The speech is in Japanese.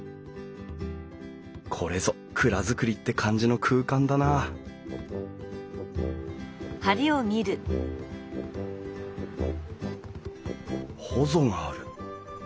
これぞ蔵造りって感じの空間だなほぞがある。